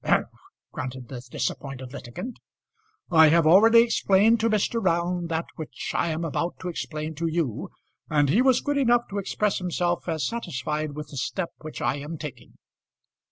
"Umph!" grunted the disappointed litigant. "I have already explained to Mr. Round that which I am about to explain to you, and he was good enough to express himself as satisfied with the step which I am taking."